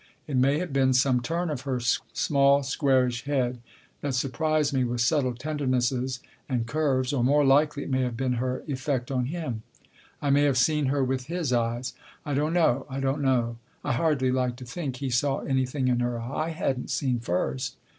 It may have been some turn of her small, squarish head that surprised me with subtle tender nesses and curves ; or more likely it may have been her effect on him. I may have seen her with his eyes. I don't know I don't know. I hardly like to think he saw anything in her I hadn't seen first.